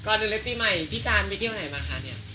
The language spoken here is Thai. ในเล็กปีใหม่พี่การไปเที่ยวไหนมาคะเนี่ย